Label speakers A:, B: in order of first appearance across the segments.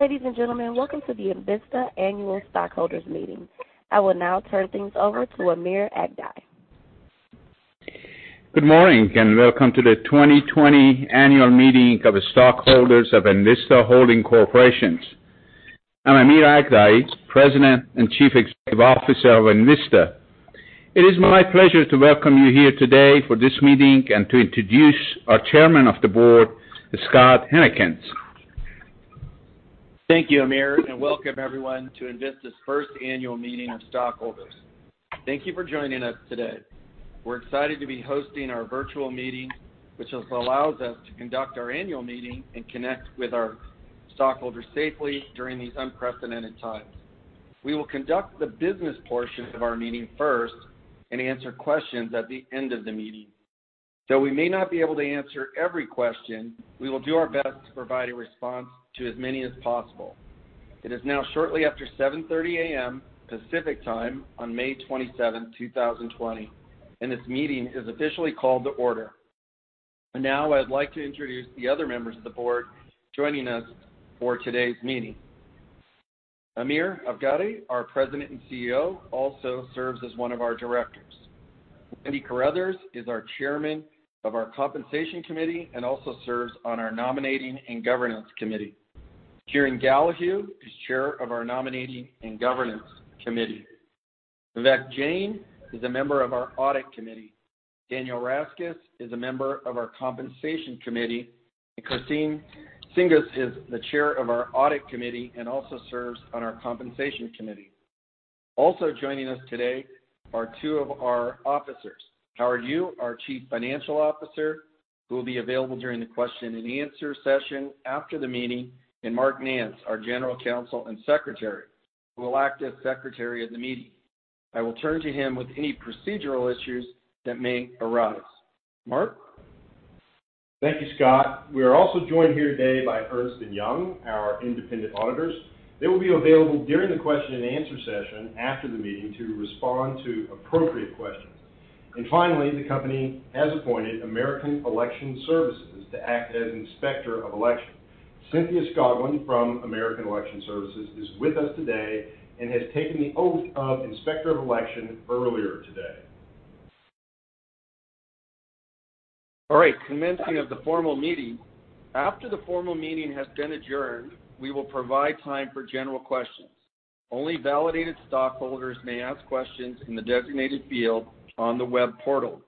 A: Ladies and gentlemen, welcome to the Envista Annual Stockholders Meeting. I will now turn things over to Amir Aghdaei.
B: Good morning, and welcome to the 2020 Annual Meeting of the Stockholders of Envista Holdings Corporation. I'm Amir Aghdaei, President and Chief Executive Officer of Envista. It is my pleasure to welcome you here today for this meeting and to introduce our Chairman of the Board, Scott Huennekens.
C: Thank you, Amir, and welcome everyone to Envista's first Annual Meeting of Stockholders. Thank you for joining us today. We're excited to be hosting our virtual meeting, which allows us to conduct our annual meeting and connect with our stockholders safely during these unprecedented times. We will conduct the business portion of our meeting first and answer questions at the end of the meeting. Though we may not be able to answer every question, we will do our best to provide a response to as many as possible. It is now shortly after 7:30 A.M. Pacific Time on May twenty-seventh, 2020, and this meeting is officially called to order. Now I'd like to introduce the other members of the board joining us for today's meeting. Amir Aghdaei, our President and CEO, also serves as one of our directors. Wendy Carruthers is our Chairman of our Compensation Committee and also serves on our Nominating and Governance Committee. Kieran Gallahue is Chair of our Nominating and Governance Committee. Vivek Jain is a member of our Audit Committee. Daniel Raskas is a member of our Compensation Committee, and Christine Tsingos is the Chair of our Audit Committee and also serves on our Compensation Committee. Also joining us today are two of our officers, Howard Yu, our Chief Financial Officer, who will be available during the question and answer session after the meeting, and Mark Nance, our General Counsel and Secretary, who will act as Secretary of the meeting. I will turn to him with any procedural issues that may arise. Mark?
D: Thank you, Scott. We are also joined here today by Ernst & Young, our independent auditors. They will be available during the question and answer session after the meeting to respond to appropriate questions. Finally, the company has appointed American Election Services to act as Inspector of Election. Cynthia Scoggin from American Election Services is with us today and has taken the oath of Inspector of Election earlier today.
C: All right, commencing of the formal meeting. After the formal meeting has been adjourned, we will provide time for general questions. Only validated stockholders may ask questions in the designated field on the web portal.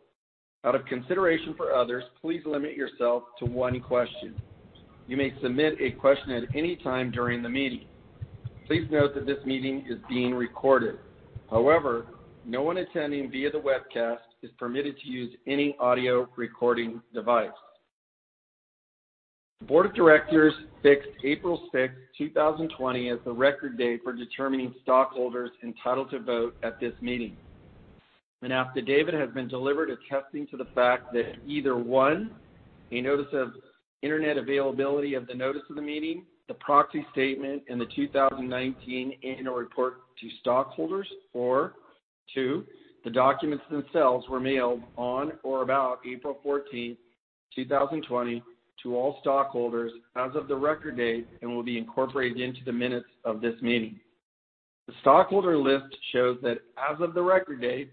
C: Out of consideration for others, please limit yourself to one question. You may submit a question at any time during the meeting. Please note that this meeting is being recorded. However, no one attending via the webcast is permitted to use any audio recording device. The Board of Directors fixed April sixth, two thousand and twenty, as the Record Date for determining stockholders entitled to vote at this meeting. An affidavit has been delivered attesting to the fact that either, one, a notice of internet availability of the notice of the meeting, the proxy statement, and the 2019 annual report to stockholders, or, two, the documents themselves were mailed on or about April 14, 2020, to all stockholders as of the record date and will be incorporated into the minutes of this meeting. The stockholder list shows that as of the record date,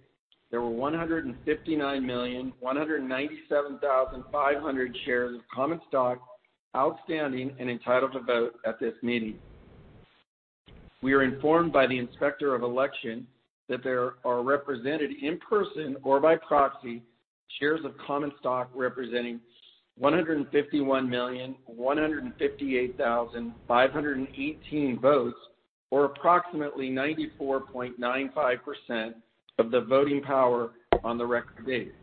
C: there were 159,197,500 shares of common stock outstanding and entitled to vote at this meeting. We are informed by the Inspector of Election that there are represented in person or by proxy, shares of common stock representing 151,158,518 votes, or approximately 94.95% of the voting power on the record date.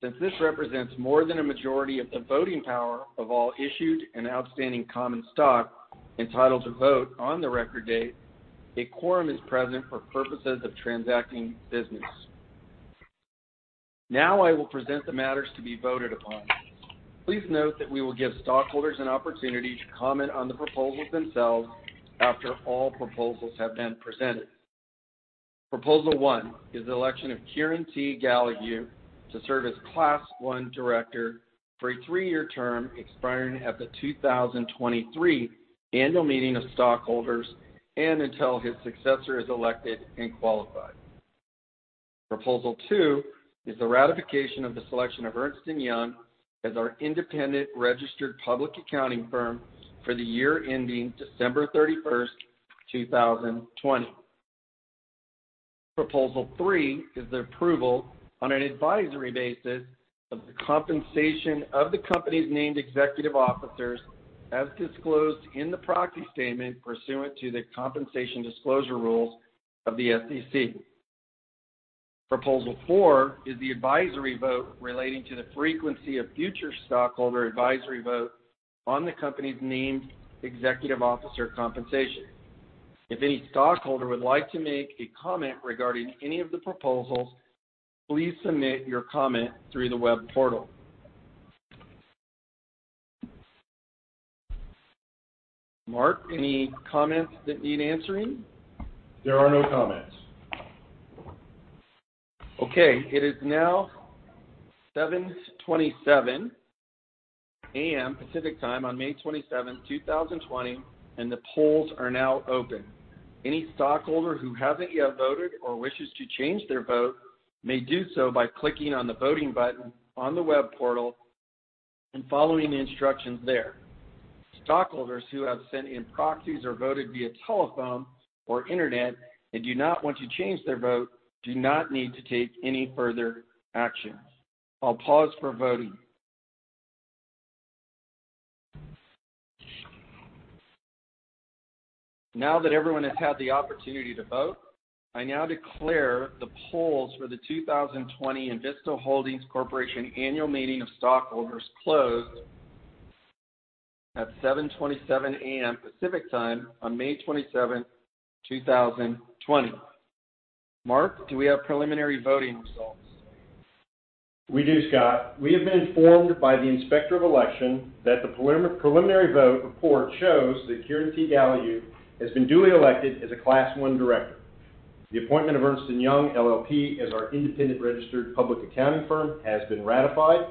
C: Since this represents more than a majority of the voting power of all issued and outstanding common stock entitled to vote on the record date, a quorum is present for purposes of transacting business. Now I will present the matters to be voted upon. Please note that we will give stockholders an opportunity to comment on the proposals themselves after all proposals have been presented. Proposal 1 is the election of Kieran Gallahue. Gallahue to serve as Class I Director for a three-year term expiring at the 2023 Annual Meeting of Stockholders and until his successor is elected and qualified. Proposal 2 is the ratification of the selection of Ernst & Young as our independent registered public accounting firm for the year ending December 31, 2020. Proposal 3 is the approval on an advisory basis of the compensation of the company's named executive officers, as disclosed in the Proxy Statement pursuant to the compensation disclosure rules of the SEC. Proposal 4 is the advisory vote relating to the frequency of future stockholder advisory vote on the company's named executive officer compensation. If any stockholder would like to make a comment regarding any of the proposals, please submit your comment through the web portal. Mark, any comments that need answering?
D: There are no comments....
C: Okay, it is now 7:27 A.M. Pacific Time on May 27, 2020, and the polls are now open. Any stockholder who hasn't yet voted or wishes to change their vote may do so by clicking on the voting button on the web portal and following the instructions there. Stockholders who have sent in proxies or voted via telephone or internet and do not want to change their vote, do not need to take any further action. I'll pause for voting. Now that everyone has had the opportunity to vote, I now declare the polls for the 2020 Envista Holdings Corporation Annual Meeting of Stockholders closed at 7:27 A.M. Pacific Time on May 27, 2020. Mark, do we have preliminary voting results?
D: We do, Scott. We have been informed by the Inspector of Election that the preliminary vote report shows that Kieran Gallahue has been duly elected as a Class I director. The appointment of Ernst & Young LLP as our independent registered public accounting firm has been ratified.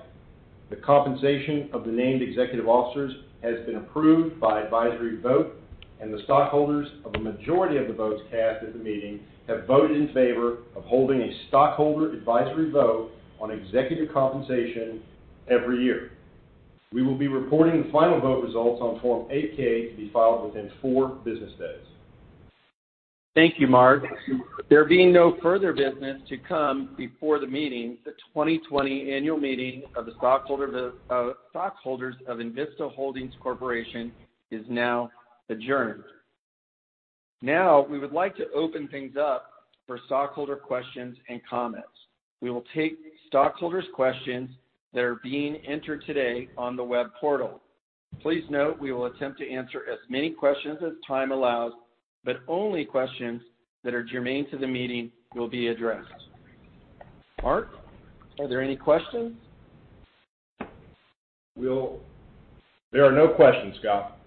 D: The compensation of the named executive officers has been approved by advisory vote, and the stockholders of a majority of the votes cast at the meeting have voted in favor of holding a stockholder advisory vote on executive compensation every year. We will be reporting the final vote results on Form 8-K to be filed within four business days.
C: Thank you, Mark. There being no further business to come before the meeting, the 2020 annual meeting of the stockholders of Envista Holdings Corporation is now adjourned. Now, we would like to open things up for stockholder questions and comments. We will take stockholders' questions that are being entered today on the web portal. Please note, we will attempt to answer as many questions as time allows, but only questions that are germane to the meeting will be addressed. Mark, are there any questions?
D: There are no questions, Scott.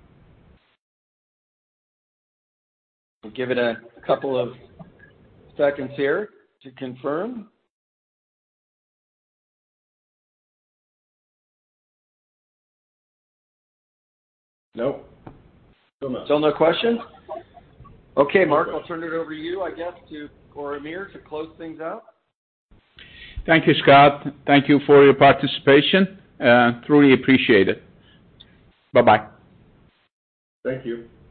C: We'll give it a couple of seconds here to confirm.
D: Nope. Still none.
C: Still no questions? Okay, Mark, I'll turn it over to you, I guess, to, or Amir, to close things out.
B: Thank you, Scott. Thank you for your participation. Truly appreciate it. Bye-bye.
D: Thank you.